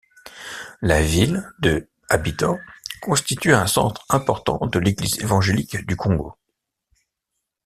La ville, de habitants, constitue un centre important de l'Église Évangélique du Congo.